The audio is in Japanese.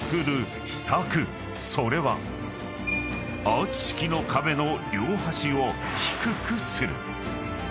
［アーチ式の壁の両端を低くする］